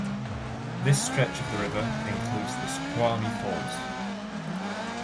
This stretch of the river includes Snoqualmie Falls.